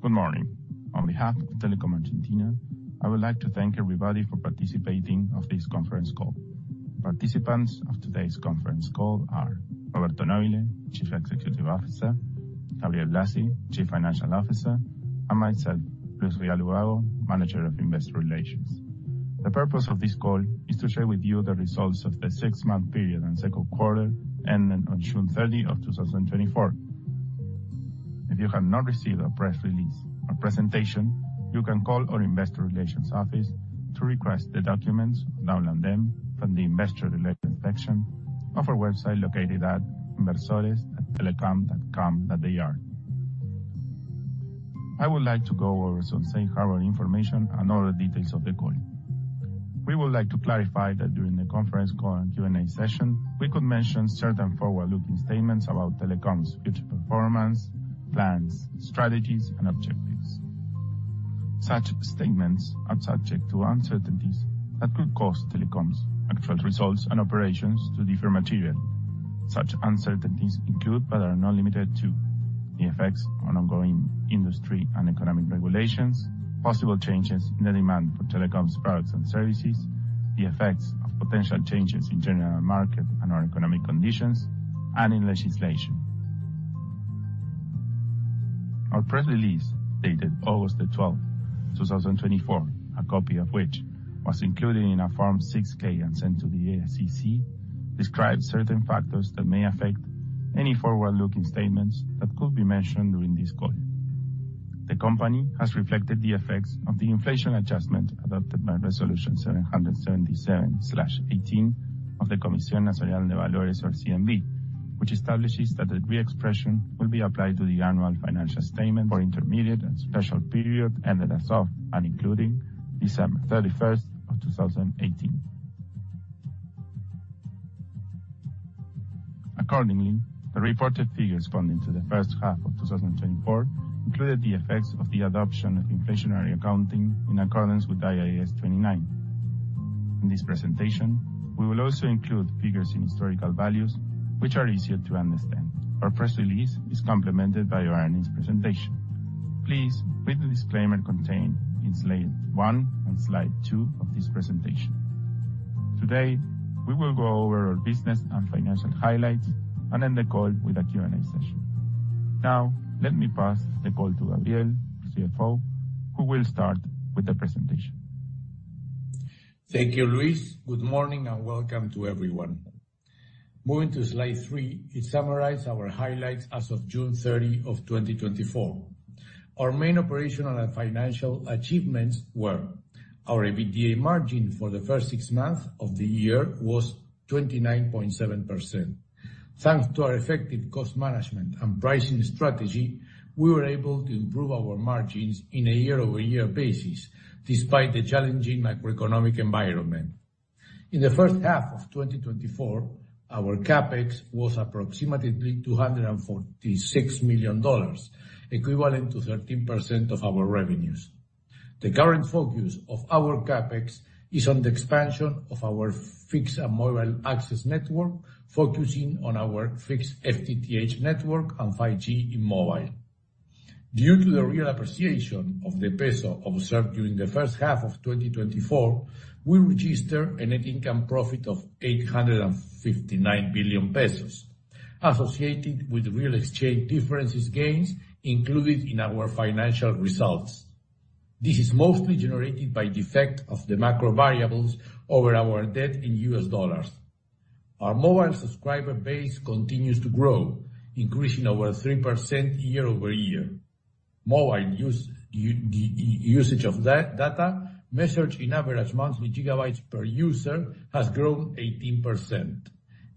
Good morning. On behalf of Telecom Argentina, I would like to thank everybody for participating of this conference call. Participants of today's conference call are Roberto Nobile, Chief Executive Officer, Gabriel Blasi, Chief Financial Officer, and myself, Luis Rial Ubago, Manager of Investor Relations. The purpose of this call is to share with you the results of the six-month period and second quarter, ending on June 30 of 2024. If you have not received a press release or presentation, you can call our investor relations office to request the documents, download them from the Investor Relations section of our website, located at inversores.telecom.com.ar. I would like to go over some safe harbor information and other details of the call. We would like to clarify that during the conference call and Q&A session, we could mention certain forward-looking statements about Telecom's future performance, plans, strategies, and objectives. Such statements are subject to uncertainties that could cause Telecom's actual results and operations to differ materially. Such uncertainties include, but are not limited to, the effects on ongoing industry and economic regulations, possible changes in the demand for Telecom's products and services, the effects of potential changes in general market and/or economic conditions, and in legislation. Our press release, dated August 12, 2024, a copy of which was included in our Form 6-K and sent to the SEC, describes certain factors that may affect any forward-looking statements that could be mentioned during this call. The company has reflected the effects of the inflation adjustment adopted by Resolution 777/18 of the Comisión Nacional de Valores (CNV), which establishes that the reexpression will be applied to the annual financial statement for intermediate and special period, ended as of, and including December 31, 2018. Accordingly, the reported figures falling into the first half of 2024 included the effects of the adoption of inflationary accounting in accordance with IAS 29. In this presentation, we will also include figures in historical values, which are easier to understand. Our press release is complemented by our earnings presentation. Please read the disclaimer contained in slide 1 and slide 2 of this presentation. Today, we will go over our business and financial highlights and end the call with a Q&A session. Now, let me pass the call to Gabriel, CFO, who will start with the presentation. Thank you, Luis. Good morning, and welcome to everyone. Moving to slide 3, it summarized our highlights as of June 30 of 2024. Our main operational and financial achievements were: Our EBITDA margin for the first 6 months of the year was 29.7%. Thanks to our effective cost management and pricing strategy, we were able to improve our margins on a year-over-year basis, despite the challenging macroeconomic environment. In the first half of 2024, our CapEx was approximately $246 million, equivalent to 13% of our revenues. The current focus of our CapEx is on the expansion of our fixed and mobile access network, focusing on our fixed FTTH network and 5G in mobile. Due to the real appreciation of the peso observed during the first half of 2024, we registered a net income profit of 859 billion pesos, associated with real exchange differences gains included in our financial results. This is mostly generated by the effect of the macro variables over our debt in US dollars. Our mobile subscriber base continues to grow, increasing over 3% year-over-year. Mobile usage of data, measured in average monthly gigabytes per user, has grown 18%.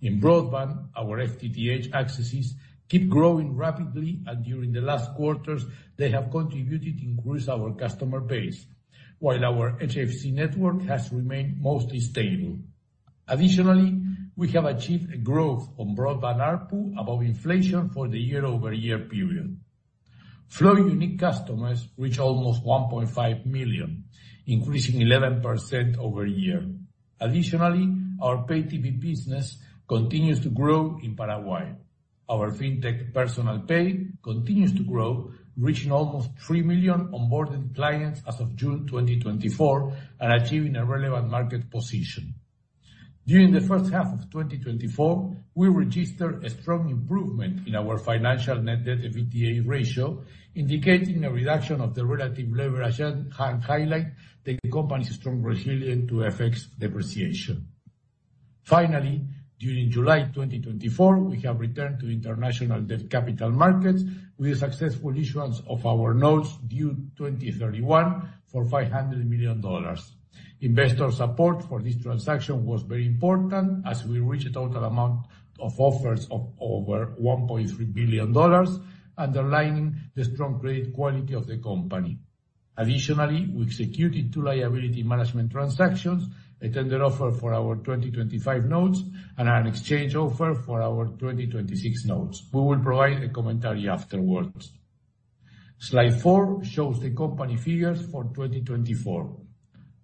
In broadband, our FTTH accesses keep growing rapidly, and during the last quarters, they have contributed to increase our customer base, while our HFC network has remained mostly stable. Additionally, we have achieved a growth on broadband ARPU above inflation for the year-over-year period. Flow unique customers reach almost 1.5 million, increasing 11% year-over-year. Additionally, our Pay TV business continues to grow in Paraguay. Our fintech Personal Pay continues to grow, reaching almost 3 million onboarded clients as of June 2024 and achieving a relevant market position. During the first half of 2024, we registered a strong improvement in our financial net debt to EBITDA ratio, indicating a reduction of the relative leverage and highlight the company's strong resilience to FX depreciation. Finally, during July 2024, we have returned to international debt capital markets with successful issuance of our notes due 2031 for $500 million. Investor support for this transaction was very important, as we reached a total amount of offers of over $1.3 billion, underlining the strong credit quality of the company. Additionally, we executed two liability management transactions, a tender offer for our 2025 notes and an exchange offer for our 2026 notes. We will provide a commentary afterwards. Slide 4 shows the company figures for 2024.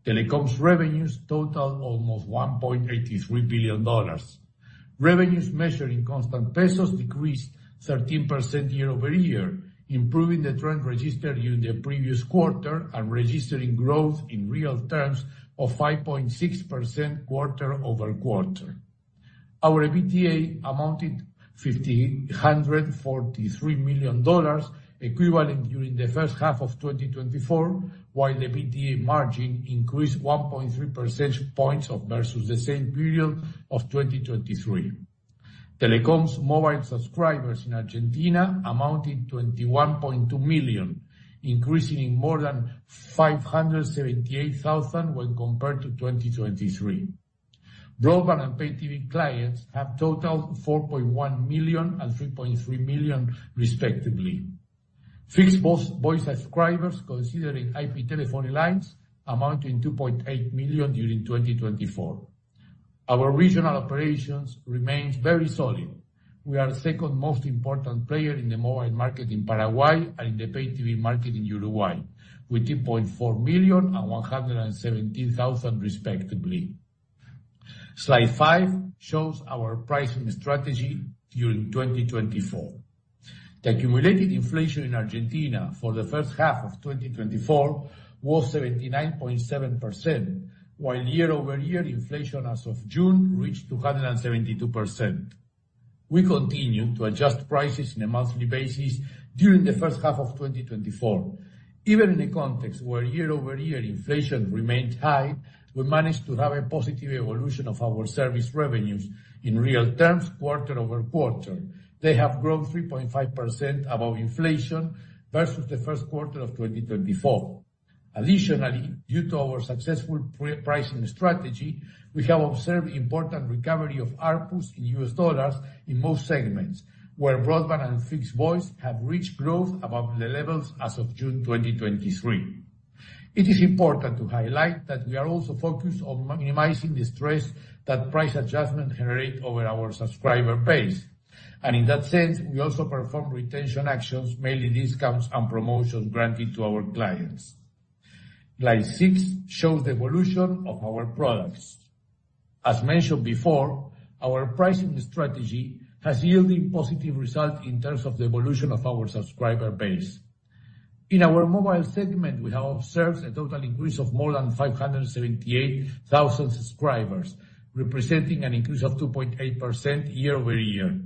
Telecom's revenues totaled almost $1.83 billion. Revenues measured in constant pesos decreased 13% year-over-year, improving the trend registered during the previous quarter and registering growth in real terms of 5.6% quarter-over-quarter. Our EBITDA amounted to $543 million, equivalent during the first half of 2024, while the EBITDA margin increased 1.3 percentage points versus the same period of 2023. Telecom's mobile subscribers in Argentina amounted to 21.2 million, increasing by more than 578,000 when compared to 2023. Broadband and Pay TV clients have totaled 4.1 million and 3.3 million, respectively. Fixed voice, voice subscribers, considering IP Telephony lines, amounting to 2.8 million during 2024. Our regional operations remains very solid. We are the second most important player in the mobile market in Paraguay and in the Pay TV market in Uruguay, with 2.4 million and 117,000, respectively. Slide 5 shows our pricing strategy during 2024. The accumulated inflation in Argentina for the first half of 2024 was 79.7%, while year-over-year inflation as of June reached 272%. We continued to adjust prices on a monthly basis during the first half of 2024. Even in a context where year-over-year inflation remained high, we managed to have a positive evolution of our service revenues in real terms, quarter-over-quarter. They have grown 3.5% above inflation versus the first quarter of 2024. Additionally, due to our successful pre-pricing strategy, we have observed important recovery of ARPUs in U.S. dollars in most segments, where broadband and fixed voice have reached growth above the levels as of June 2023. It is important to highlight that we are also focused on minimizing the stress that price adjustment generate over our subscriber base. In that sense, we also perform retention actions, mainly discounts and promotions granted to our clients. Slide 6 shows the evolution of our products. As mentioned before, our pricing strategy has yielded positive results in terms of the evolution of our subscriber base. In our mobile segment, we have observed a total increase of more than 578,000 subscribers, representing an increase of 2.8% year-over-year.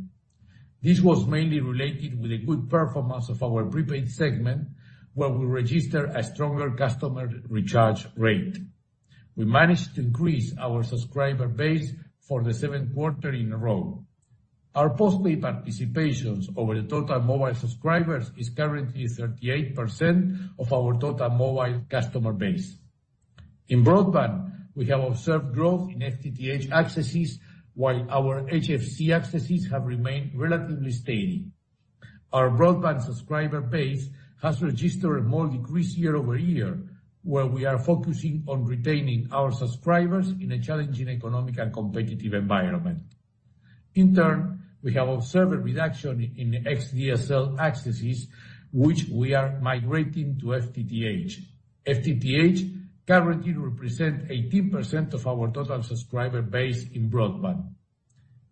This was mainly related with the good performance of our prepaid segment, where we registered a stronger customer recharge rate. We managed to increase our subscriber base for the seventh quarter in a row. Our postpay participations over the total mobile subscribers is currently 38% of our total mobile customer base. In broadband, we have observed growth in FTTH accesses, while our HFC accesses have remained relatively steady. Our broadband subscriber base has registered a small decrease year-over-year, where we are focusing on retaining our subscribers in a challenging economic and competitive environment. In turn, we have observed a reduction in XDSL accesses, which we are migrating to FTTH. FTTH currently represent 18% of our total subscriber base in broadband.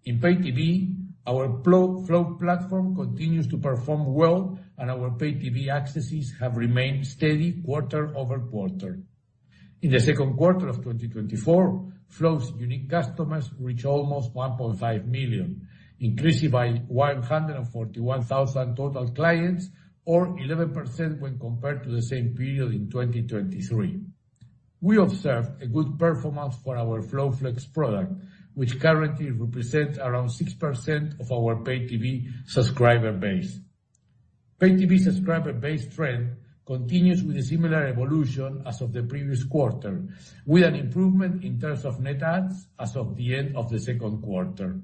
In Pay TV, our Flow, Flow platform continues to perform well, and our Pay TV accesses have remained steady quarter-over-quarter. In the second quarter of 2024, Flow's unique customers reached almost 1.5 million, increasing by 141,000 total clients or 11% when compared to the same period in 2023. We observed a good performance for our Flow Flex product, which currently represents around 6% of our Pay TV subscriber base. Pay TV subscriber base trend continues with a similar evolution as of the previous quarter, with an improvement in terms of net adds as of the end of the second quarter.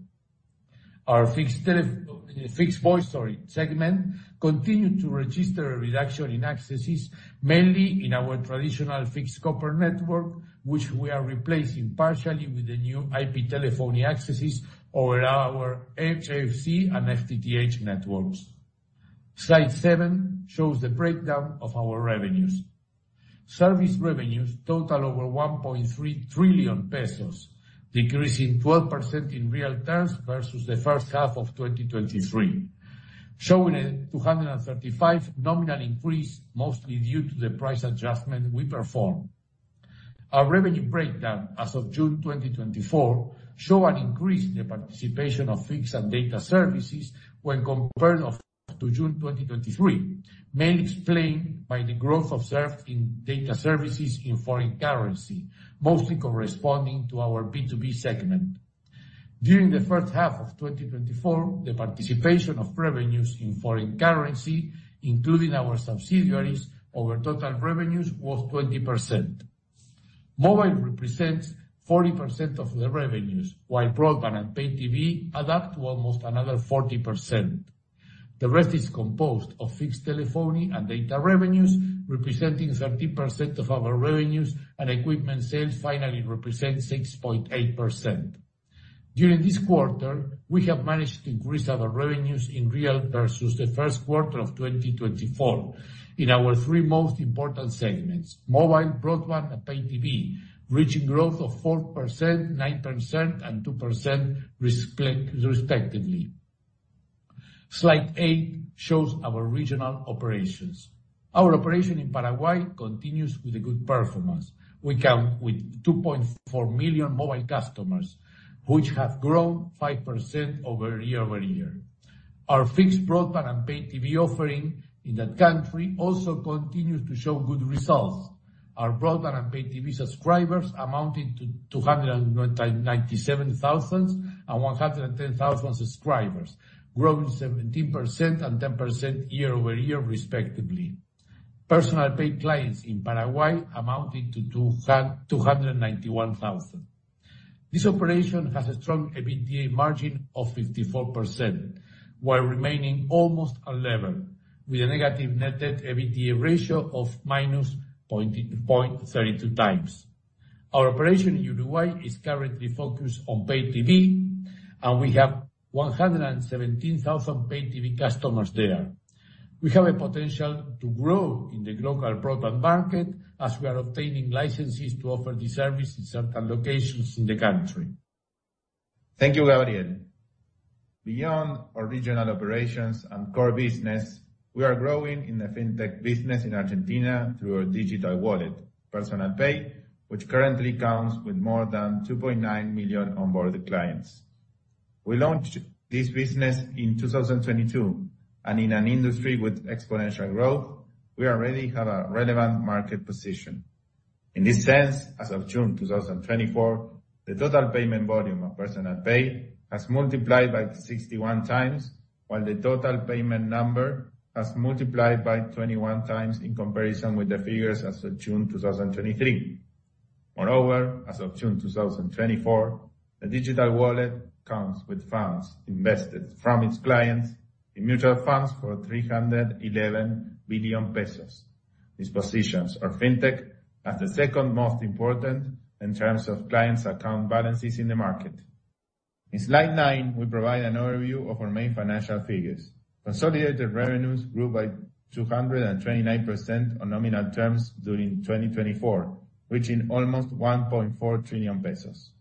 Our fixed voice segment continued to register a reduction in accesses, mainly in our traditional fixed copper network, which we are replacing partially with the new IP telephony accesses over our HFC and FTTH networks. Slide seven shows the breakdown of our revenues. Service revenues total over 1.3 trillion pesos, decreasing 12% in real terms versus the first half of 2023, showing a 235% nominal increase, mostly due to the price adjustment we performed. Our revenue breakdown as of June 2024 show an increase in the participation of fixed and data services when compared to June 2023, mainly explained by the growth observed in data services in foreign currency, mostly corresponding to our B2B segment. During the first half of 2024, the participation of revenues in foreign currency, including our subsidiaries, over total revenues, was 20%. Mobile represents 40% of the revenues, while broadband and pay TV add up to almost another 40%. The rest is composed of fixed telephony and data revenues, representing 13% of our revenues, and equipment sales finally represent 6.8%.... During this quarter, we have managed to increase our revenues in real versus the first quarter of 2024 in our three most important segments: mobile, broadband, and pay TV, reaching growth of 4%, 9%, and 2%, respectively. Slide 8 shows our regional operations. Our operation in Paraguay continues with a good performance. We count with 2.4 million mobile customers, which have grown 5% year-over-year. Our fixed broadband and pay TV offering in that country also continues to show good results. Our broadband and pay TV subscribers amounted to 297,000 and 110,000 subscribers, growing 17% and 10% year-over-year, respectively. Personal Pay clients in Paraguay amounted to 291,000. This operation has a strong EBITDA margin of 54%, while remaining almost unlevered, with a negative net debt EBITDA ratio of -0.32x. Our operation in Uruguay is currently focused on pay TV, and we have 117,000 pay TV customers there. We have a potential to grow in the global broadband market, as we are obtaining licenses to offer these services in certain locations in the country. Thank you, Gabriel. Beyond our regional operations and core business, we are growing in the Fintech business in Argentina through our digital wallet, Personal Pay, which currently counts with more than 2.9 million onboarded clients. We launched this business in 2022, and in an industry with exponential growth, we already have a relevant market position. In this sense, as of June 2024, the total payment volume of Personal Pay has multiplied by 61 times, while the total payment number has multiplied by 21 times in comparison with the figures as of June 2023. Moreover, as of June 2024, the digital wallet counts with funds invested from its clients in mutual funds for 311 billion pesos. These positions are Fintech, as the second most important in terms of clients' account balances in the market. In slide 9, we provide an overview of our main financial figures. Consolidated revenues grew by 229% on nominal terms during 2024, reaching almost 1.4 trillion pesos.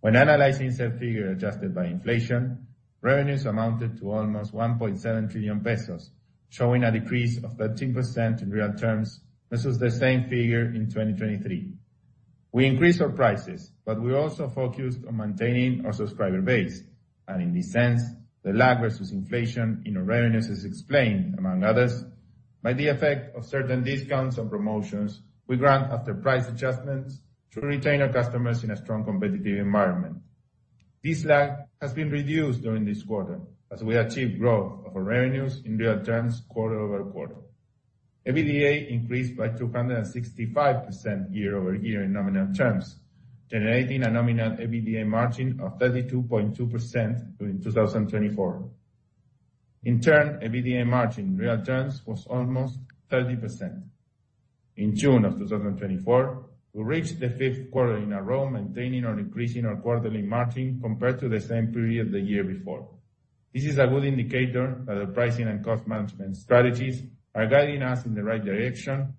When analyzing said figure adjusted by inflation, revenues amounted to almost 1.7 trillion pesos, showing a decrease of 13% in real terms versus the same figure in 2023. We increased our prices, but we also focused on maintaining our subscriber base, and in this sense, the lag versus inflation in our revenues is explained, among others, by the effect of certain discounts and promotions we grant after price adjustments to retain our customers in a strong competitive environment. This lag has been reduced during this quarter, as we achieved growth of our revenues in real terms, quarter-over-quarter. EBITDA increased by 265% year over year in nominal terms, generating a nominal EBITDA margin of 32.2% during 2024. In turn, EBITDA margin in real terms was almost 30%. In June of 2024, we reached the 5th quarter in a row, maintaining or increasing our quarterly margin compared to the same period the year before. This is a good indicator that our pricing and cost management strategies are guiding us in the right direction,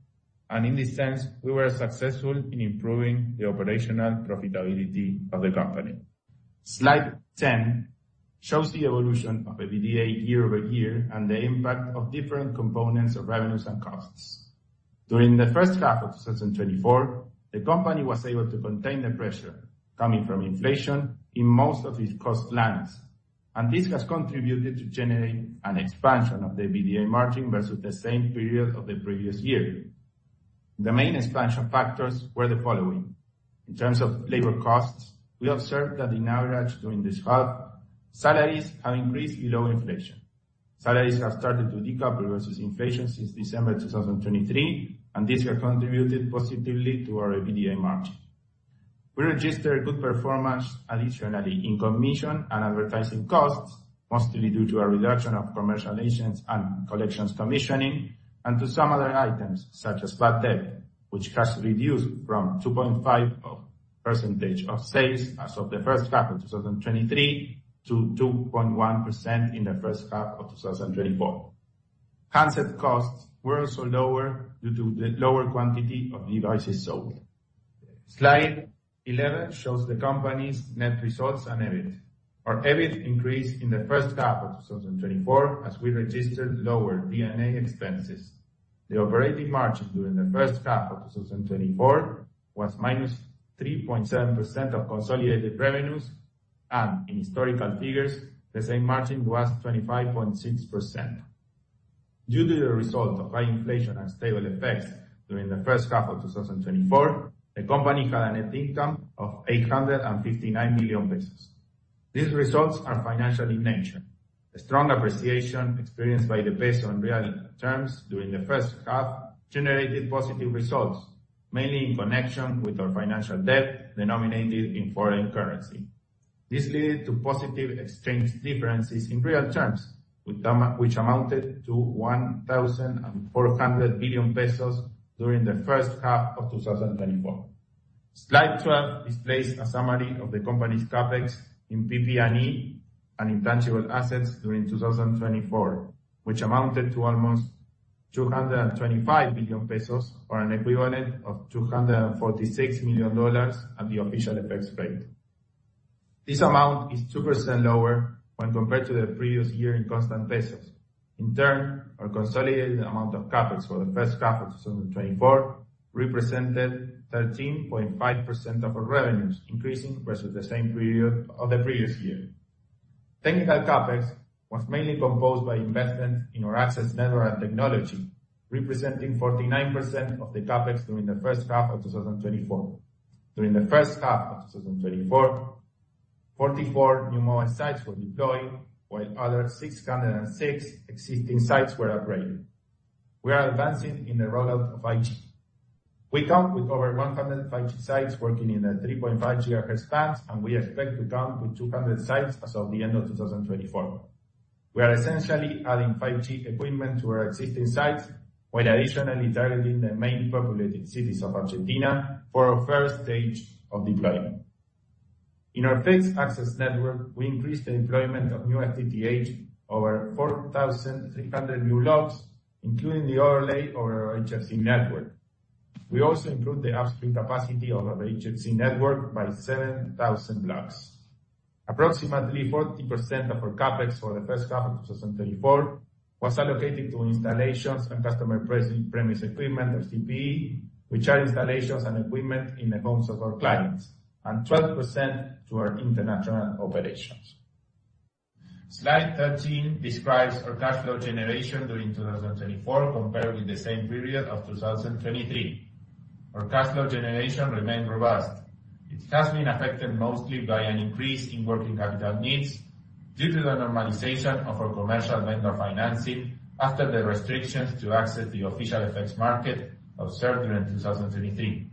and in this sense, we were successful in improving the operational profitability of the company. Slide 10 shows the evolution of EBITDA year over year and the impact of different components of revenues and costs. During the first half of 2024, the company was able to contain the pressure coming from inflation in most of its cost lines, and this has contributed to generate an expansion of the EBITDA margin versus the same period of the previous year. The main expansion factors were the following: In terms of labor costs, we observed that in average, during this half, salaries have increased below inflation. Salaries have started to decouple versus inflation since December 2023, and this has contributed positively to our EBITDA margin. We registered good performance additionally in commission and advertising costs, mostly due to a reduction of commercial agents and collections commissioning, and to some other items, such as bad debt, which has reduced from 2.5% of sales as of the first half of 2023 to 2.1% in the first half of 2024. Handset costs were also lower due to the lower quantity of devices sold. Slide 11 shows the company's net results and EBIT. Our EBIT increased in the first half of 2024 as we registered lower D&A expenses. The operating margin during the first half of 2024 was -3.7% of consolidated revenues, and in historical figures, the same margin was 25.6%. Due to the result of high inflation and stable effects during the first half of 2024, the company had a net income of 859 billion pesos. These results are financial in nature. A strong appreciation experienced by the peso in real terms during the first half generated positive results, mainly in connection with our financial debt denominated in foreign currency. This led to positive exchange differences in real terms, which amounted to 1,400 billion pesos during the first half of 2024. Slide 12 displays a summary of the company's CapEx in PP&E and intangible assets during 2024, which amounted to almost 225 billion pesos, or an equivalent of $246 million at the official FX rate. This amount is 2% lower when compared to the previous year in constant pesos. In turn, our consolidated amount of CapEx for the first half of 2024 represented 13.5% of our revenues, increasing versus the same period of the previous year. Technical CapEx was mainly composed by investments in our access network and technology, representing 49% of the CapEx during the first half of 2024. During the first half of 2024, 44 new mobile sites were deployed, while other 606 existing sites were upgraded. We are advancing in the rollout of 5G. We count with over 100 5G sites working in the 3.5 GHz bands, and we expect to count to 200 sites as of the end of 2024. We are essentially adding 5G equipment to our existing sites, while additionally targeting the main populated cities of Argentina for our first stage of deployment. In our fixed access network, we increased the deployment of new FTTH over 4,300 new blocks, including the overlay over our HFC network. We also improved the upstream capacity of our HFC network by 7,000 blocks. Approximately 40% of our CapEx for the first half of 2024 was allocated to installations and customer premise equipment, or CPE, which are installations and equipment in the homes of our clients, and 12% to our international operations. Slide 13 describes our cash flow generation during 2024 compared with the same period of 2023. Our cash flow generation remained robust. It has been affected mostly by an increase in working capital needs due to the normalization of our commercial vendor financing after the restrictions to access the official FX market observed during 2023.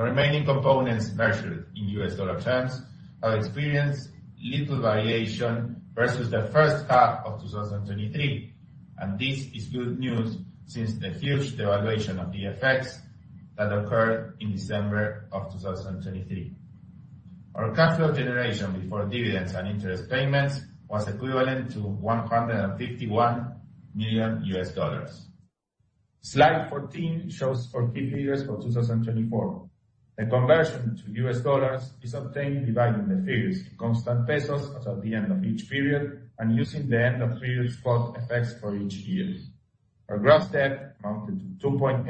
The remaining components measured in US dollar terms have experienced little variation versus the first half of 2023, and this is good news since the huge devaluation of the FX that occurred in December of 2023. Our cash flow generation before dividends and interest payments was equivalent to $151 million. Slide 14 shows 4 key figures for 2024. The conversion to US dollars is obtained dividing the figures to constant pesos as of the end of each period and using the end of period spot FX for each year. Our gross debt amounted to $2.8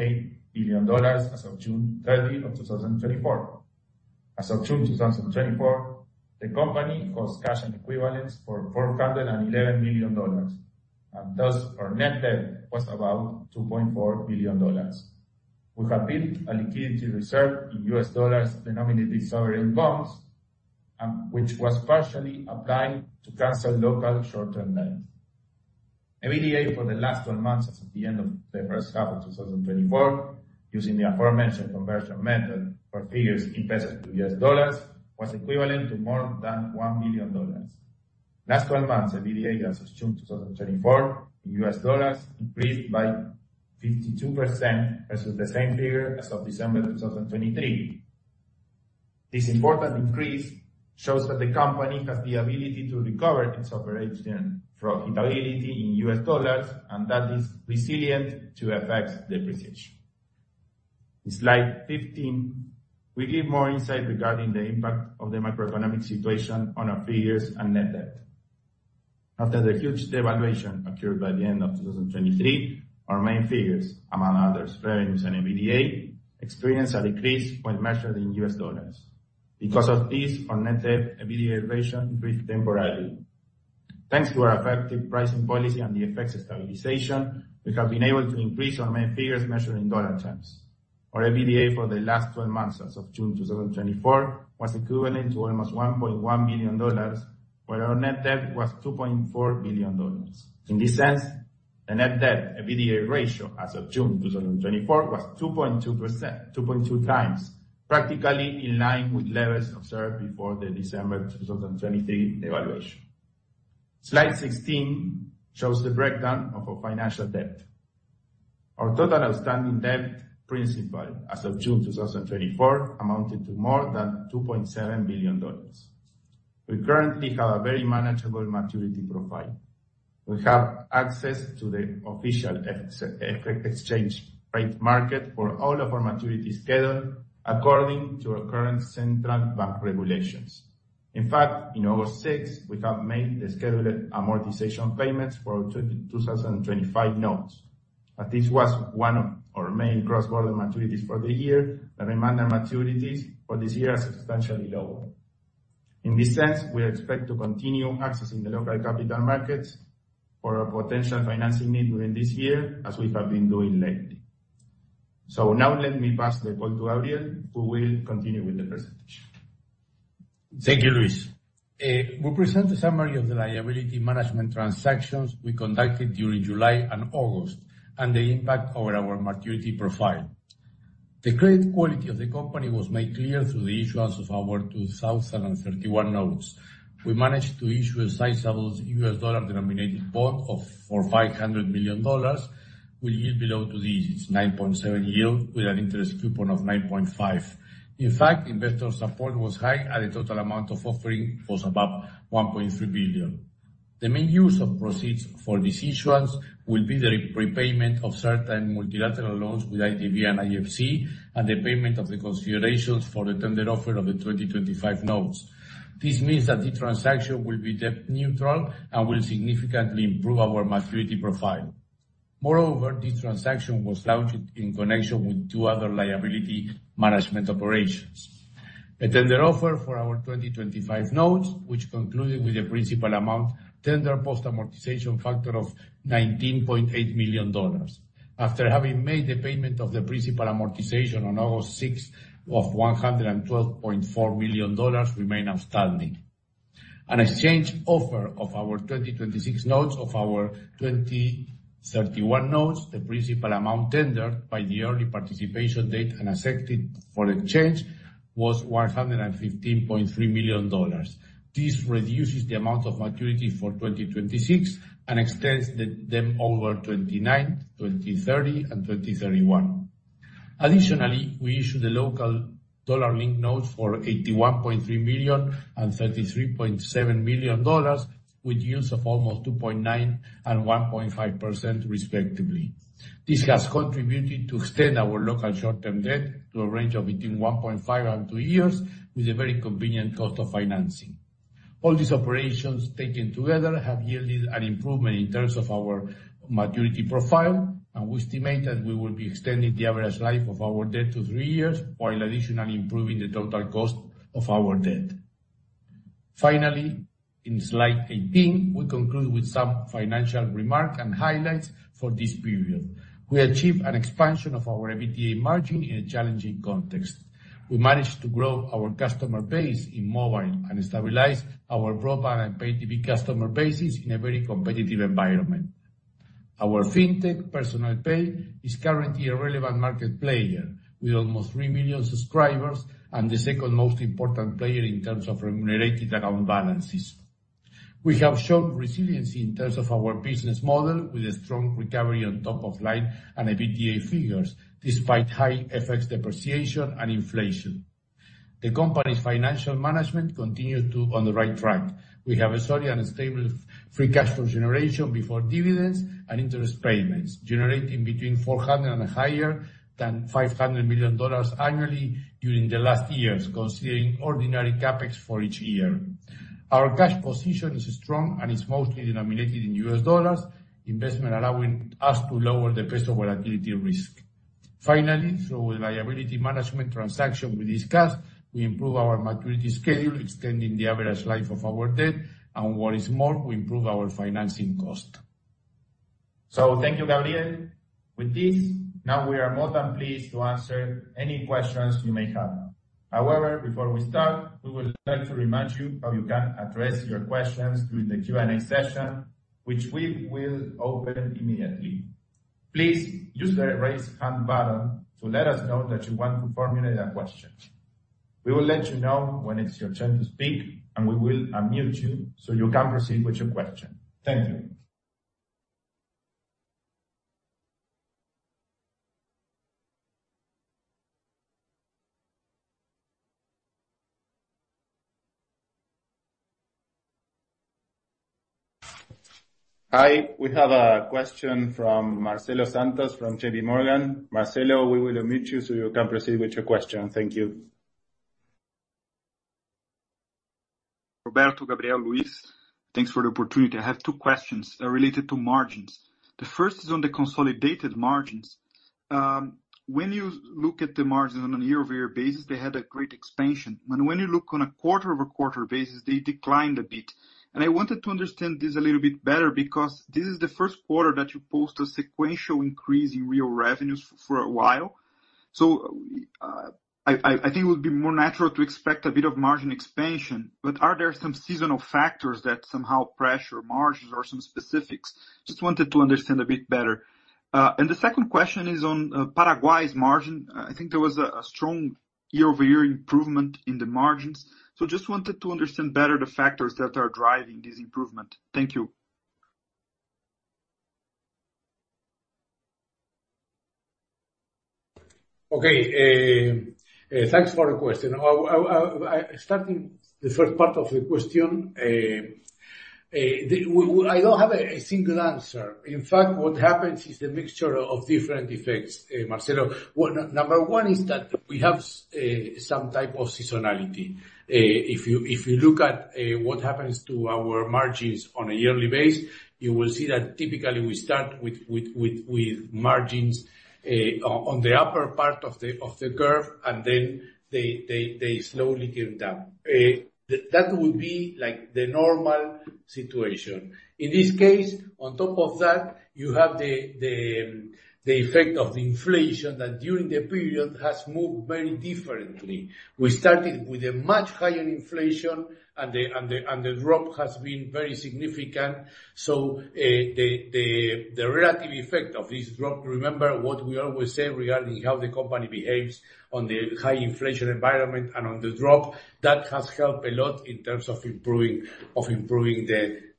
billion as of June 30, 2024. As of June 2024, the company holds cash and equivalents for $411 million, and thus our net debt was about $2.4 billion. We have built a liquidity reserve in US dollars denominated sovereign bonds, which was partially applied to cancel local short-term loans. EBITDA for the last 12 months, as of the end of the first half of 2024, using the aforementioned conversion method for figures in pesos to US dollars, was equivalent to more than $1 billion. Last 12 months, EBITDA as of June 2024 in US dollars increased by 52% versus the same period as of December 2023. This important increase shows that the company has the ability to recover its operation from profitability in US dollars, and that is resilient to FX depreciation. In slide 15, we give more insight regarding the impact of the macroeconomic situation on our figures and net debt. After the huge devaluation occurred by the end of 2023, our main figures, among others, revenues and EBITDA, experienced a decrease when measured in US dollars. Because of this, our net debt EBITDA ratio increased temporarily. Thanks to our effective pricing policy and the FX stabilization, we have been able to increase our main figures measured in dollar terms. Our EBITDA for the last twelve months as of June 2024 was equivalent to almost $1.1 billion, while our net debt was $2.4 billion. In this sense, the net debt EBITDA ratio as of June 2024 was 2.2% - 2.2 times, practically in line with levels observed before the December 2023 devaluation. Slide 16 shows the breakdown of our financial debt. Our total outstanding debt principal as of June 2024 amounted to more than $2.7 billion. We currently have a very manageable maturity profile. We have access to the official exchange rate market for all of our maturity schedule, according to our current central bank regulations. In fact, on August 6, we have made the scheduled amortization payments for our 2025 notes. As this was one of our main cross-border maturities for the year, the remainder maturities for this year are substantially lower. In this sense, we expect to continue accessing the local capital markets for our potential financing need during this year, as we have been doing lately. So now let me pass the call to Gabriel, who will continue with the presentation. Thank you, Luis. We present a summary of the liability management transactions we conducted during July and August and the impact over our maturity profile.... The credit quality of the company was made clear through the issuance of our 2031 notes. We managed to issue a sizable US dollar-denominated bond of $500 million, with yield below the 9.7 yield, with an interest coupon of 9.5. In fact, investor support was high, and the total amount of offering was about $1.3 billion. The main use of proceeds for this issuance will be the repayment of certain multilateral loans with IDB and IFC, and the payment of the considerations for the tender offer of the 2025 notes. This means that the transaction will be debt neutral and will significantly improve our maturity profile. Moreover, this transaction was launched in connection with two other liability management operations. A tender offer for our 2025 notes, which concluded with the principal amount tender post amortization factor of $19.8 million. After having made the payment of the principal amortization on August 6, $112.4 million remain outstanding. An exchange offer of our 2026 notes, of our 2031 notes, the principal amount tendered by the early participation date and accepted for exchange was $115.3 million. This reduces the amount of maturity for 2026 and extends them over 2029, 2030, and 2031. Additionally, we issued a local dollar-linked note for $81.3 million and $33.7 million, with yields of almost 2.9% and 1.5%, respectively. This has contributed to extend our local short-term debt to a range of between 1.5 and 2 years, with a very convenient cost of financing. All these operations, taken together, have yielded an improvement in terms of our maturity profile, and we estimate that we will be extending the average life of our debt to 3 years, while additionally improving the total cost of our debt. Finally, in slide 18, we conclude with some financial remarks and highlights for this period. We achieved an expansion of our EBITDA margin in a challenging context. We managed to grow our customer base in mobile and stabilize our broadband and pay TV customer bases in a very competitive environment. Our fintech, Personal Pay, is currently a relevant market player, with almost 3 million subscribers and the second most important player in terms of remunerated account balances. We have shown resiliency in terms of our business model, with a strong recovery on top of line and EBITDA figures, despite high FX depreciation and inflation. The company's financial management continues to on the right track. We have a solid and stable free cash flow generation before dividends and interest payments, generating between $400 million and higher than $500 million annually during the last years, considering ordinary CapEx for each year. Our cash position is strong and is mostly denominated in U.S. dollars, investment allowing us to lower the pace of volatility risk. Finally, through a liability management transaction we discussed, we improve our maturity scale, extending the average life of our debt, and what is more, we improve our financing cost. So thank you, Gabriel. With this, now we are more than pleased to answer any questions you may have. However, before we start, we would like to remind you how you can address your questions during the Q&A session, which we will open immediately. Please use the Raise Hand button to let us know that you want to formulate a question. We will let you know when it's your turn to speak, and we will unmute you, so you can proceed with your question. Thank you. Hi, we have a question from Marcelo Santos, from J.P. Morgan. Marcelo, we will unmute you, so you can proceed with your question. Thank you. Roberto, Gabriel, Luis, thanks for the opportunity. I have two questions related to margins. The first is on the consolidated margins. When you look at the margins on a year-over-year basis, they had a great expansion, and when you look on a quarter-over-quarter basis, they declined a bit. I wanted to understand this a little bit better, because this is the first quarter that you post a sequential increase in real revenues for a while. I think it would be more natural to expect a bit of margin expansion, but are there some seasonal factors that somehow pressure margins or some specifics? Just wanted to understand a bit better. The second question is on Paraguay's margin. I think there was a strong year-over-year improvement in the margins. Just wanted to understand better the factors that are driving this improvement. Thank you. Okay, thanks for the question. Starting the first part of the question, I don't have a single answer. In fact, what happens is the mixture of different effects, Marcelo. Number one is that we have some type of seasonality. If you look at what happens to our margins on a yearly basis, you will see that typically we start with margins on the upper part of the curve, and then they slowly come down. That would be like the normal situation. In this case, on top of that, you have the effect of the inflation that during the period has moved very differently. We started with a much higher inflation, and the drop has been very significant. So, the relative effect of this drop, remember what we always say regarding how the company behaves on the high inflation environment and on the drop, that has helped a lot in terms of improving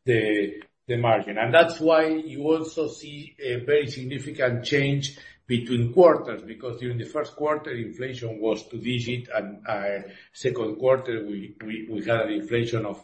the margin. And that's why you also see a very significant change between quarters, because during the first quarter, inflation was two-digit, and second quarter we had an inflation of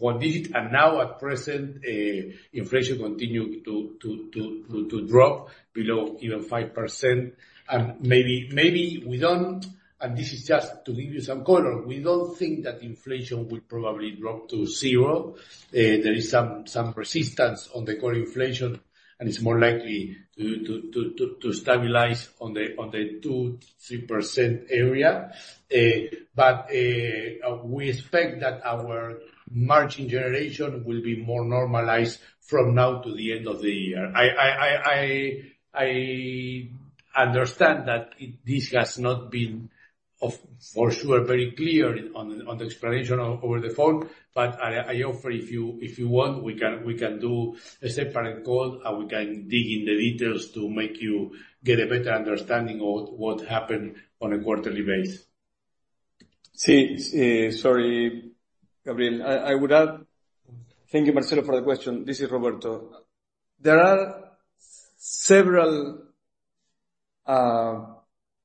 one-digit. And now at present, inflation continued to drop below even 5%. And maybe we don't... And this is just to give you some color, we don't think that inflation will probably drop to zero. There is some persistence on the core inflation, and it's more likely to stabilize on the 2%-3% area. But we expect that our margin generation will be more normalized from now to the end of the year. I understand that it, this has not been, for sure, very clear on the explanation over the phone, but I offer if you want, we can do a separate call, and we can dig in the details to make you get a better understanding of what happened on a quarterly basis. Yes, sorry, Gabriel. I would add... Thank you, Marcelo, for the question. This is Roberto. There are several,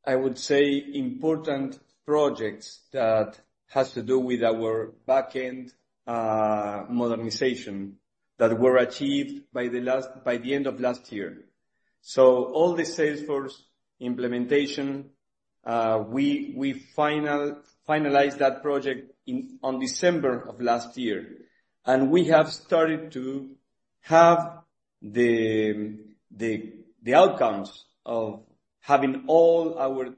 I would say, important projects that has to do with our back-end modernization, that were achieved by the last, by the end of last year. So all the Salesforce implementation, we finalized that project in, on December of last year. And we have started to have the outcomes of having all our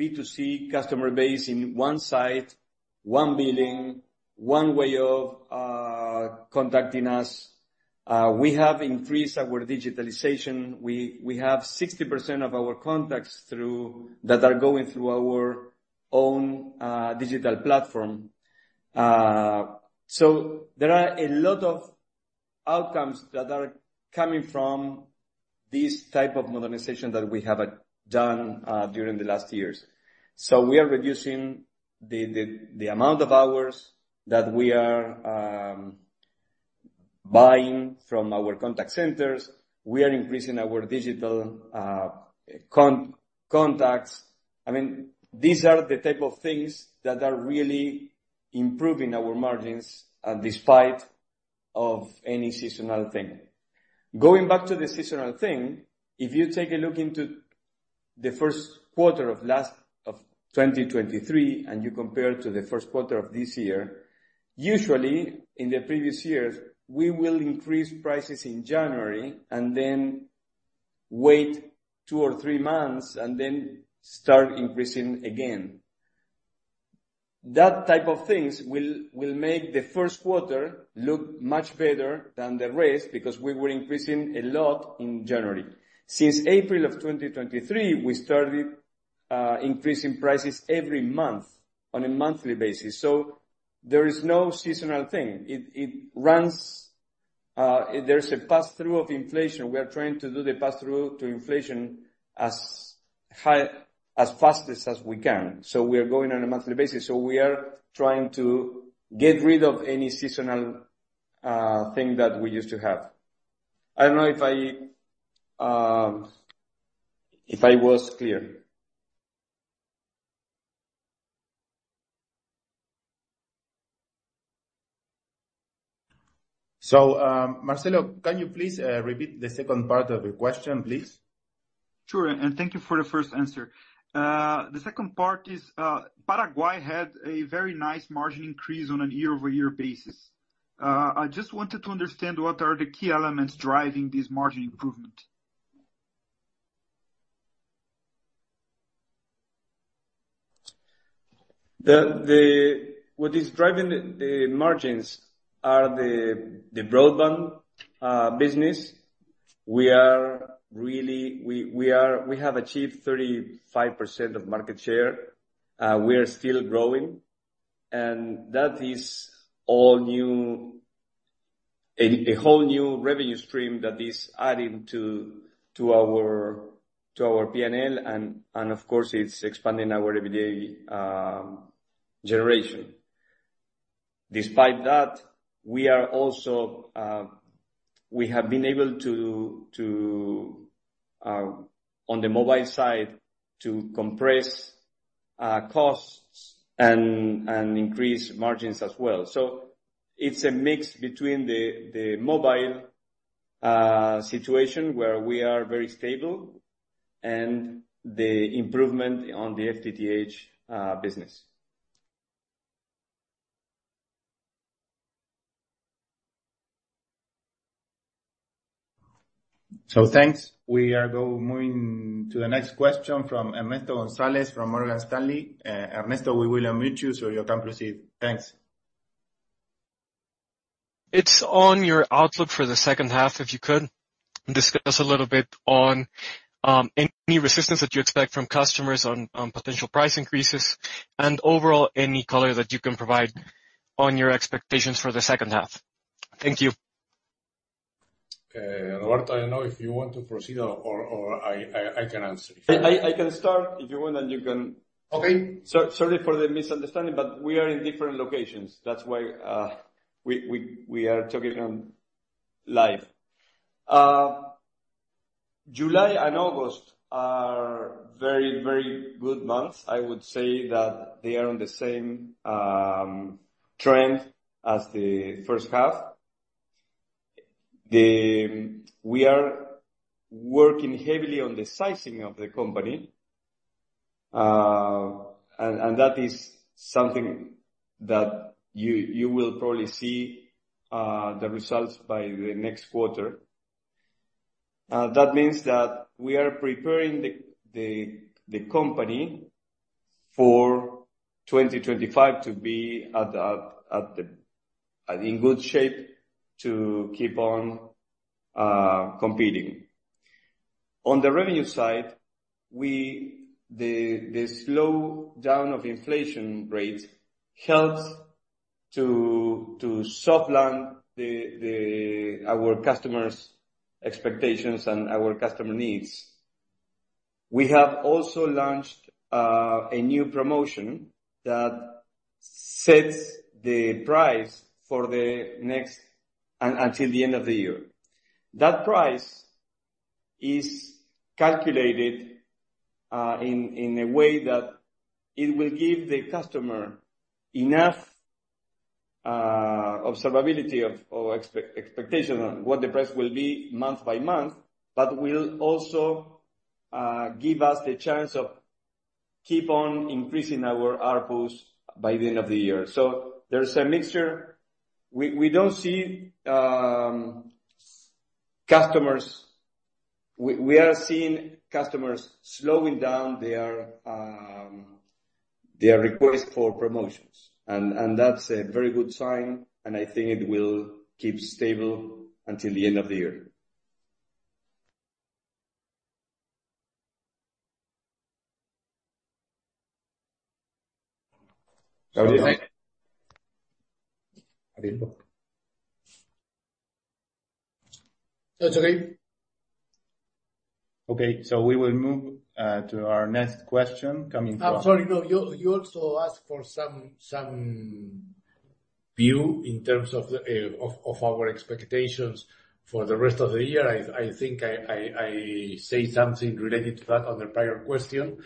B2C customer base in one site, one billing, one way of contacting us. We have increased our digitalization. We have 60% of our contacts through, that are going through our own digital platform. So there are a lot of outcomes that are coming from this type of modernization that we have done during the last years. So we are reducing the amount of hours that we are buying from our contact centers. We are increasing our digital contacts. I mean, these are the type of things that are really improving our margins despite of any seasonal thing. Going back to the seasonal thing, if you take a look into the first quarter of 2023, and you compare to the first quarter of this year, usually in the previous years, we will increase prices in January, and then wait two or three months, and then start increasing again. That type of things will make the first quarter look much better than the rest, because we were increasing a lot in January. Since April of 2023, we started increasing prices every month, on a monthly basis, so there is no seasonal thing. It runs. There's a passthrough of inflation. We are trying to do the passthrough to inflation as high, as fast as we can, so we are going on a monthly basis. So we are trying to get rid of any seasonal thing that we used to have. I don't know if I was clear. So, Marcelo, can you please repeat the second part of the question, please? Sure, and thank you for the first answer. The second part is, Paraguay had a very nice margin increase on a year-over-year basis. I just wanted to understand, what are the key elements driving this margin improvement? What is driving the margins are the broadband business. We have achieved 35% of market share. We are still growing, and that is all new, a whole new revenue stream that is adding to our PNL, and of course, it's expanding our EBITDA generation. Despite that, we are also we have been able to on the mobile side, to compress costs and increase margins as well. So it's a mix between the mobile situation, where we are very stable, and the improvement on the FTTH business. Thanks. We are moving to the next question from Ernesto González from Morgan Stanley. Ernesto, we will unmute you so you can proceed. Thanks. It's on your outlook for the second half. If you could, discuss a little bit on any resistance that you expect from customers on potential price increases, and overall, any color that you can provide on your expectations for the second half. Thank you. Roberto, I don't know if you want to proceed or I can answer. I can start if you want, and you can- Okay. So sorry for the misunderstanding, but we are in different locations. That's why we are talking on live. July and August are very, very good months. I would say that they are on the same trend as the first half. We are working heavily on the sizing of the company, and that is something that you will probably see the results by the next quarter. That means that we are preparing the company for 2025 to be at the in good shape to keep on competing. On the revenue side, the slowdown of inflation rates helps to soft land our customers' expectations and our customer needs. We have also launched a new promotion that sets the price for the next until the end of the year. That price is calculated in a way that it will give the customer enough observability of, or expectation on what the price will be month by month, but will also give us the chance of keep on increasing our ARPU by the end of the year. So there's a mixture. We don't see customers. We are seeing customers slowing down their request for promotions, and that's a very good sign, and I think it will keep stable until the end of the year. That's okay. Okay, so we will move to our next question coming from- I'm sorry, no, you also asked for some view in terms of our expectations for the rest of the year. I think I say something related to that on the prior question.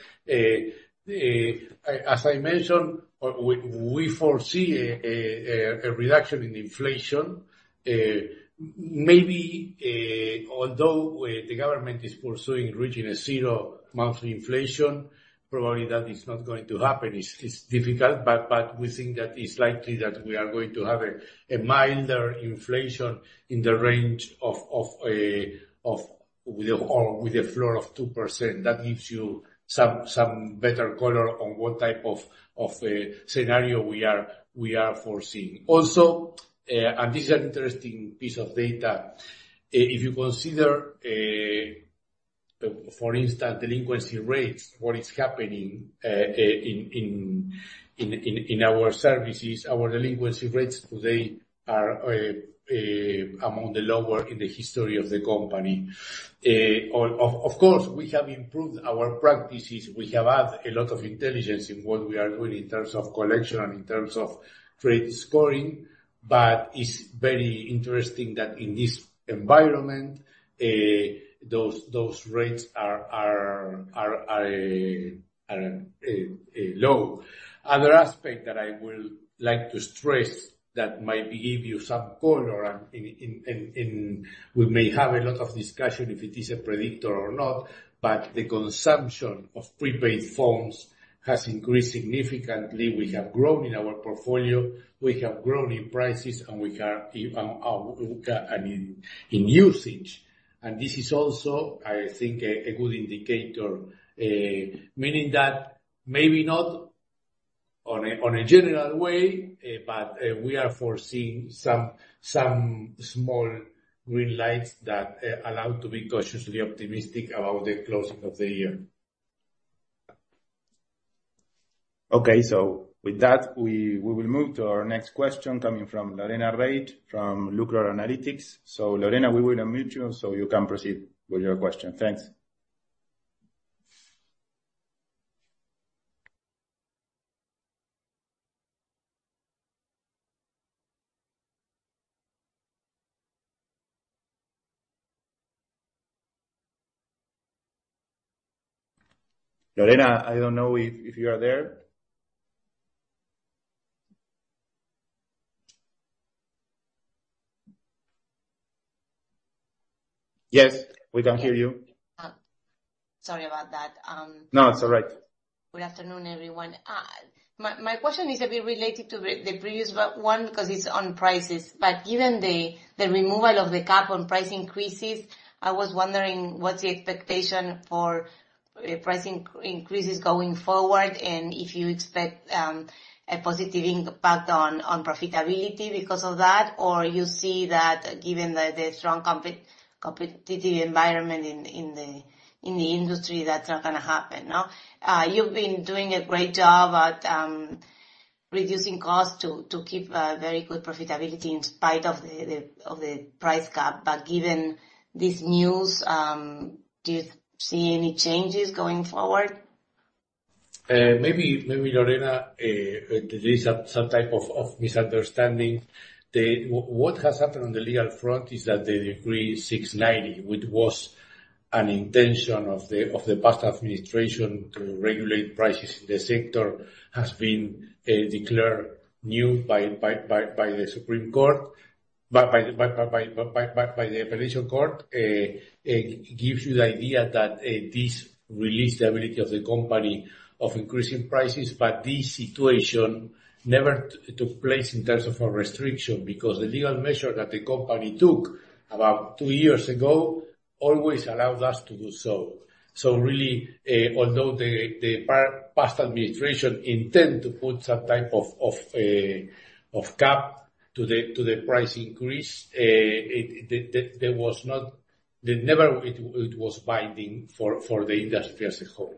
As I mentioned, we foresee a reduction in inflation. Maybe, although the government is pursuing reaching a zero monthly inflation, probably that is not going to happen. It's difficult, but we think that it's likely that we are going to have a milder inflation in the range of with a floor of 2%. That gives you some better color on what type of a scenario we are foreseeing. Also, this is an interesting piece of data, if you consider, for instance, delinquency rates, what is happening in our services. Our delinquency rates today are among the lower in the history of the company. Of course, we have improved our practices. We have added a lot of intelligence in what we are doing in terms of collection and in terms of credit scoring, but it's very interesting that in this environment, those rates are low. Other aspect that I will like to stress, that might give you some color and we may have a lot of discussion if it is a predictor or not, but the consumption of prepaid phones has increased significantly. We have grown in our portfolio, we have grown in prices, and we are in usage. And this is also, I think, a good indicator, meaning that maybe not on a general way, but we are foreseeing some small green lights that allow to be cautiously optimistic about the closing of the year. Okay. So with that, we will move to our next question coming from Lorena Reich, from Lucror Analytics. So Lorena, we will unmute you, so you can proceed with your question. Thanks. Lorena, I don't know if you are there? Yes, we can hear you. Sorry about that. No, it's all right. Good afternoon, everyone. My question is a bit related to the previous one, because it's on prices. But given the removal of the cap on price increases, I was wondering what's the expectation for price increases going forward, and if you expect a positive impact on profitability because of that? Or you see that given the strong competitiveness environment in the industry, that's not gonna happen, no? You've been doing a great job at reducing costs to keep a very good profitability in spite of the price cap. But given this news, do you see any changes going forward? Maybe Lorena, there is some type of misunderstanding. What has happened on the legal front is that the Decree 690, which was an intention of the past administration to regulate prices in the sector, has been declared null by the Supreme Court by the Appellate Court. This gives you the idea that this release the ability of the company of increasing prices, but this situation never took place in terms of a restriction. Because the legal measure that the company took about 2 years ago always allowed us to do so. So really, although the past administration intended to put some type of a cap to the price increase, it, there was not—there never was it binding for the industry as a whole.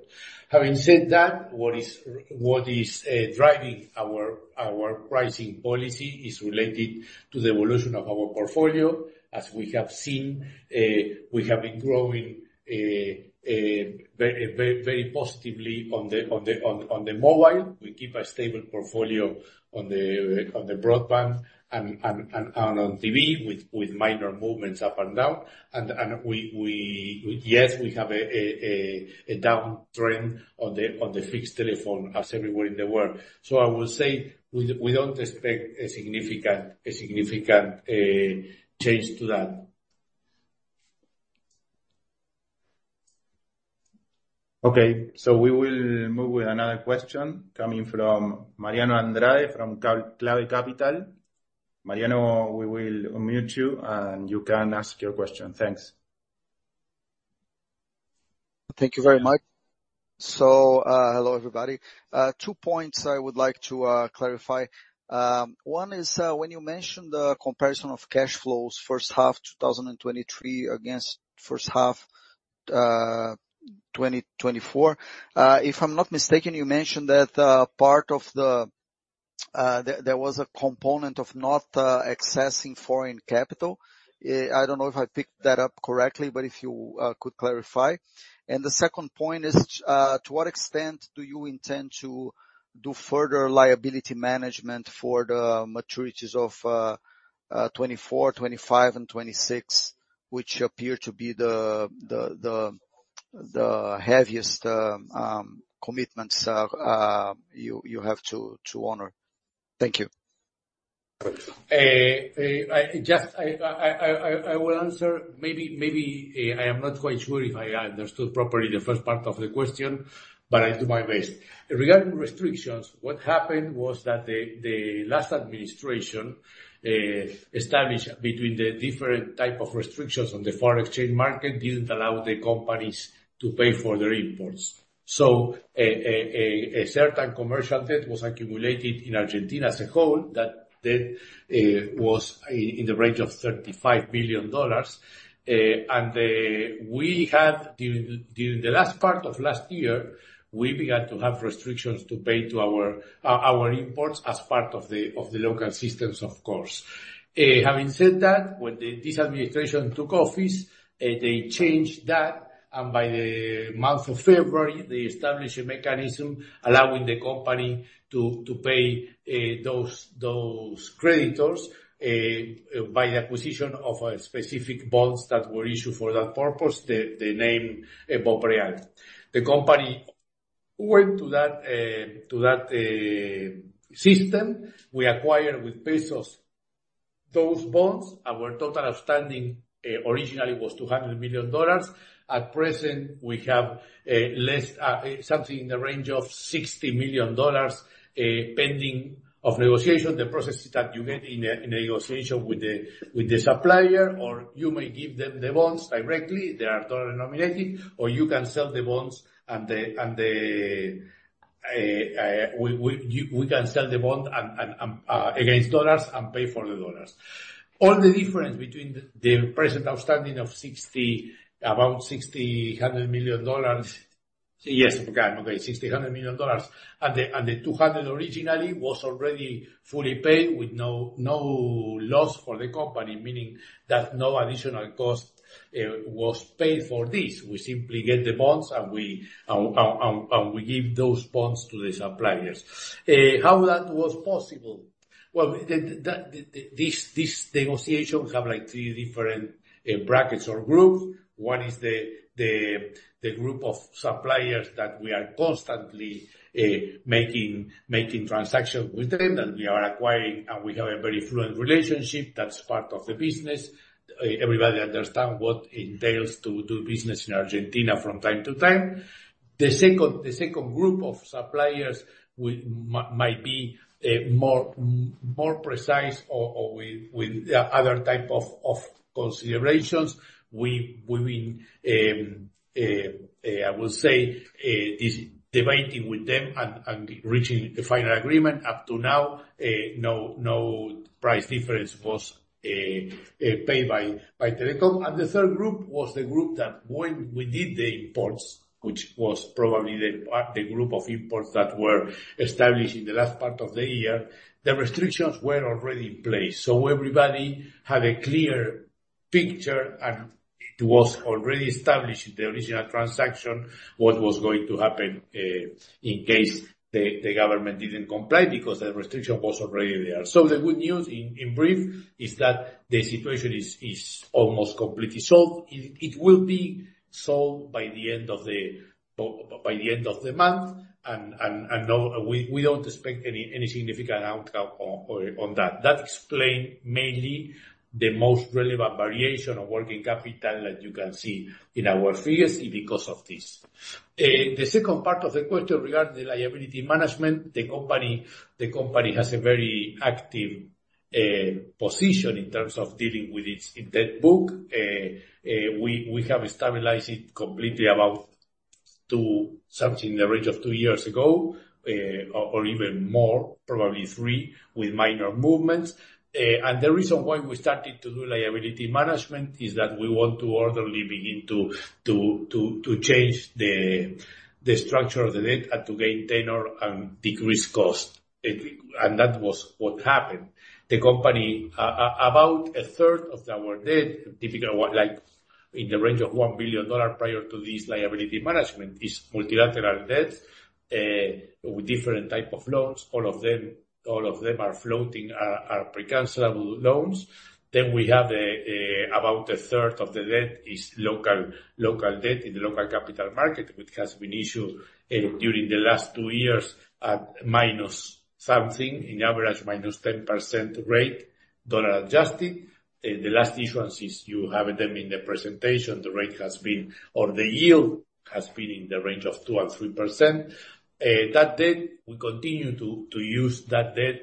Having said that, what is driving our pricing policy is related to the evolution of our portfolio. As we have seen, we have been growing very, very, very positively on the mobile. We keep a stable portfolio on the broadband and on TV, with minor movements up and down. Yes, we have a downtrend on the fixed telephone as everywhere in the world. I will say, we don't expect a significant change to that. Okay, so we will move with another question coming from Mariano Andrade, from Clave Capital. Mariano, we will unmute you, and you can ask your question. Thanks. Thank you very much. So, hello, everybody. Two points I would like to clarify. One is, when you mentioned the comparison of cash flows first half 2023 against first half 2024. If I'm not mistaken, you mentioned that part of the there was a component of not accessing foreign capital. I don't know if I picked that up correctly, but if you could clarify. And the second point is, to what extent do you intend to do further liability management for the maturities of 2024, 2025 and 2026, which appear to be the heaviest commitments you have to honor? Thank you. I just will answer. Maybe I am not quite sure if I understood properly the first part of the question, but I do my best. Regarding restrictions, what happened was that the last administration established between the different type of restrictions on the foreign exchange market, didn't allow the companies to pay for their imports. So a certain commercial debt was accumulated in Argentina as a whole, that debt was in the range of $35 billion. We had during the last part of last year, we began to have restrictions to pay to our imports as part of the local systems, of course. Having said that, when this administration took office, they changed that, and by the month of February, they established a mechanism allowing the company to pay those creditors by acquisition of specific bonds that were issued for that purpose. The company went to that system. We acquired with pesos those bonds. Our total outstanding originally was $200 million. At present, we have less something in the range of $60 million pending of negotiation. The processes that you get in a negotiation with the supplier, or you may give them the bonds directly, they are dollar-denominated, or you can sell the bonds and we can sell the bond against dollars and pay for the dollars. All the difference between the present outstanding of about $600 million- Yes, I forgot. Okay, $600 million. And the $200 originally was already fully paid with no loss for the company, meaning that no additional cost was paid for this. We simply get the bonds, and we give those bonds to the suppliers. How that was possible? Well, this negotiations have like three different brackets or group. One is the group of suppliers that we are constantly making transactions with them, and we are acquiring, and we have a very fluent relationship that's part of the business. Everybody understands what it entails to do business in Argentina from time to time. The second group of suppliers might be more precise or with other type of considerations. We are debating with them and reaching a final agreement. Up to now, no price difference was paid by Telecom. And the third group was the group that when we did the imports, which was probably the group of imports that were established in the last part of the year, the restrictions were already in place. So everybody had a clear picture, and it was already established in the original transaction, what was going to happen, in case the government didn't comply, because the restriction was already there. So the good news, in brief, is that the situation is almost completely solved. It will be solved by the end of the month, and we don't expect any significant outcome on that. That explain mainly the most relevant variation of working capital that you can see in our figures is because of this. The second part of the question regarding the liability management, the company has a very active position in terms of dealing with its debt book. We have stabilized it completely about 2, something in the range of 2 years ago, or even more, probably 3, with minor movements. The reason why we started to do liability management is that we want to orderly begin to change the structure of the debt and to gain tenure and decrease cost. That was what happened. The company, about a third of our debt, typically, like, in the range of $1 billion prior to this liability management, is multilateral debt, with different type of loans. All of them are floating, are pre-cancellable loans. Then we have about a third of the debt is local debt in the local capital market, which has been issued during the last two years at minus something, in average, minus 10% rate, dollar adjusted. The last issuance is you have them in the presentation, the rate has been or the yield has been in the range of 2%-3%. That debt, we continue to use that debt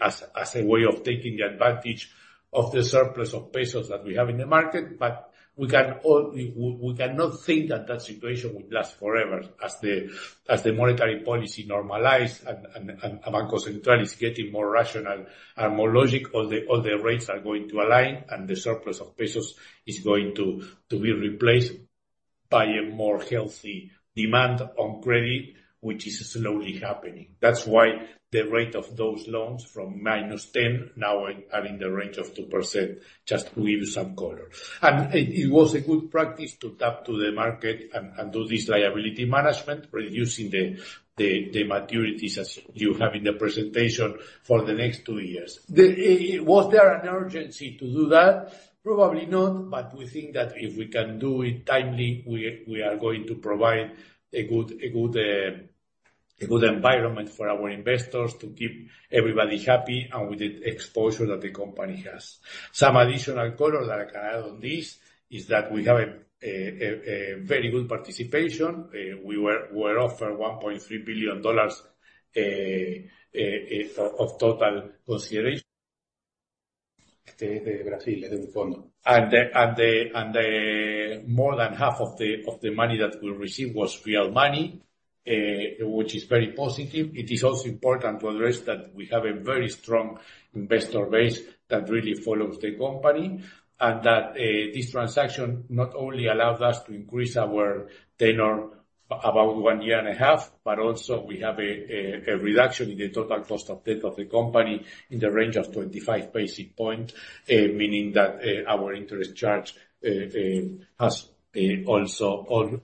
as a way of taking advantage of the surplus of pesos that we have in the market. But we can only - we cannot think that that situation will last forever. As the monetary policy normalizes and Banco Central is getting more rational and more logical, all the rates are going to align, and the surplus of pesos is going to be replaced by a more healthy demand on credit, which is slowly happening. That's why the rate of those loans from -10% now is in the range of 2%, just to give you some color. And it was a good practice to talk to the market and do this liability management, reducing the maturities, as you have in the presentation, for the next two years. Was there an urgency to do that? Probably not, but we think that if we can do it timely, we are going to provide a good environment for our investors to keep everybody happy, and with the exposure that the company has. Some additional color that I can add on this is that we have a very good participation. We were offered $1.3 billion of total consideration. And more than half of the money that we received was real money, which is very positive. It is also important to address that we have a very strong investor base that really follows the company, and that this transaction not only allows us to increase our tenure about one year and a half, but also we have a reduction in the total cost of debt of the company in the range of 25 basic points, meaning that our interest charge has also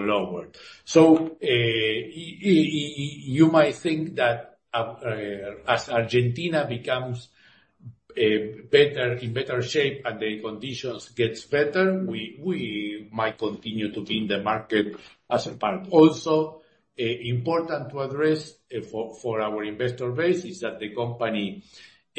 lowered. So you might think that as Argentina becomes better in better shape and the conditions gets better, we might continue to be in the market as a part. Also, important to address, for our investor base is that the company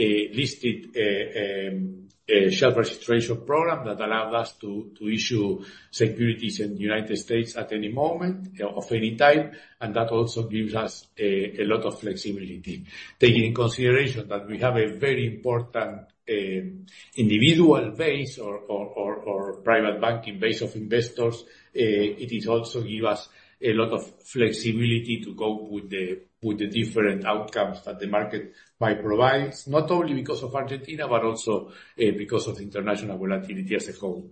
listed a shelf registration program that allowed us to issue securities in the United States at any moment, of any type, and that also gives us a lot of flexibility. Taking in consideration that we have a very important individual base or private banking base of investors, it is also give us a lot of flexibility to go with the different outcomes that the market might provide, not only because of Argentina, but also because of the international volatility as a whole.